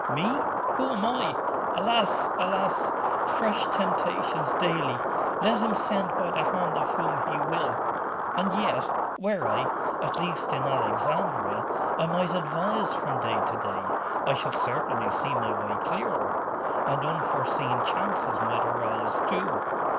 'Me? Who am I? Alas! alas! fresh temptations daily! Let him send by the hand of whom he will.... And yet were I at least in Alexandria I might advise from day to day.... I should certainly see my way clearer.... And unforeseen chances might arise, too